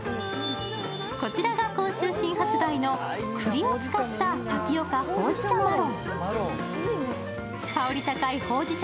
こちらが今週新発売の栗を使ったタピオカほうじ茶